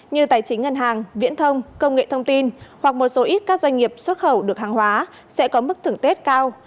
như tài chính ngân hàng viễn thông công nghệ thông tin hoặc một số ít các doanh nghiệp xuất khẩu được hàng hóa sẽ có mức thưởng tết cao